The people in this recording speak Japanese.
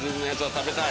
食べたい！